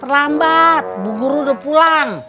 terlambat bu guru udah pulang